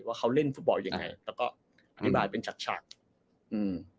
ว่าเขาเล่นฟุตบอลยังไงแล้วก็อธิบายเป็นฉากฉากอืม